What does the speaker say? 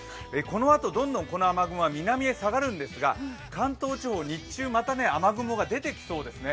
このあとどんどんこの雨雲は南へ下がるんですが、関東地方、日中、また雨雲が出てきます。